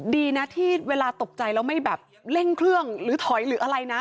ดีนะที่เวลาตกใจแล้วไม่แบบเร่งเครื่องหรือถอยหรืออะไรนะ